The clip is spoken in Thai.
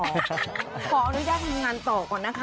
ขออนุญาตทำงานต่อก่อนนะคะ